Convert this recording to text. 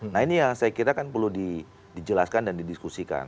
nah ini yang saya kira kan perlu dijelaskan dan didiskusikan